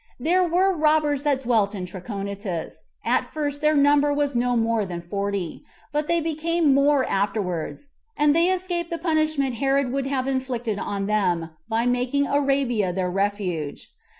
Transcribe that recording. There were robbers that dwelt in Trachonitis; at first their number was no more than forty, but they became more afterwards, and they escaped the punishment Herod would have inflicted on them, by making Arabia their refuge.